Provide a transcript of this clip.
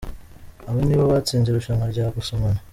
Aba nibo batsinze irushanwa ryo gusomana.